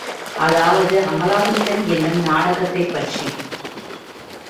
அதாவது, அமலாதித்யன் என்னும் நாடகத்தைப்பற்றி.